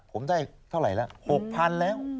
ผมได้เท่าไหร่ละ๖๐๐๐แล้ว